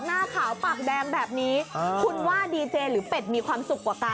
หน้าขาวปากแดงแบบนี้คุณว่าดีเจหรือเป็ดมีความสุขกว่ากัน